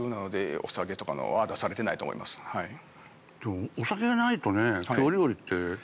お酒がないとね京料理って。